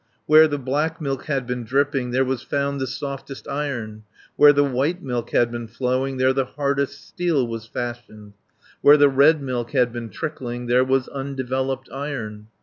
60 "Where the black milk had been dropping, There was found the softest Iron, Where the white milk had been flowing, There the hardest steel was fashioned, Where the red milk had been trickling, There was undeveloped Iron.